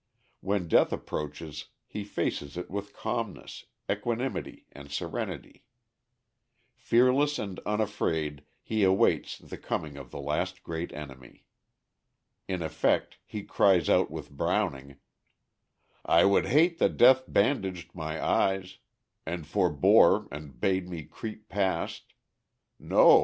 When death approaches he faces it with calmness, equanimity and serenity. Fearless and unafraid he awaits the coming of the last great enemy. In effect, he cries out with Browning: "I would hate that death bandaged my eyes, And forbore, and bade me creep past. No!